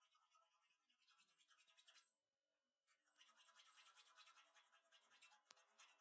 Many have been built throughout the world, over a wide range of power levels.